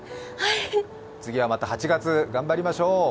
次はまた８月、頑張りましょう。